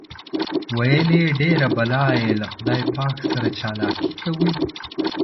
ویل یې ډېر بلا یې له خدای پاک سره چالاکي کوي.